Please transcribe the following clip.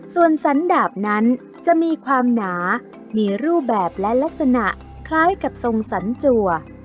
ส่วนสันดาบนั้นจะมีความหนามีรูปแบบและลักษณะคล้ายกับทรงสันจัว